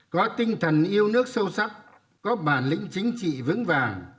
có tinh thần yêu nước sâu sắc có bản lĩnh chính trị vững vàng